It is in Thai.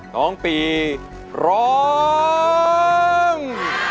น้องปีร้อง